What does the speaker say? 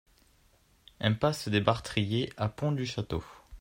Impasse des Bartriers à Pont-du-Château